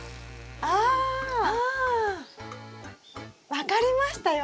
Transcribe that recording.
分かりましたよ。